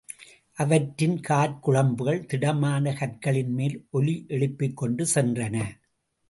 அவற்றின் காற் குழம்புகள், திடமான கற்களின்மேல் ஒலி யெழுப்பிக்கொண்டு சென்றன.